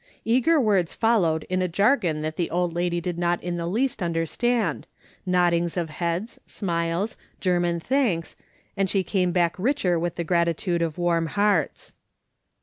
Eager words followed in a jargon that the old lady did not in the least understand, noddings of heads, smiles, German thanks, and she came back richer with the gratitude of warm hearts.